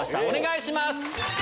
お願いします。